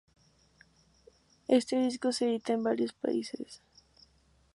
Este disco se edita en varios países.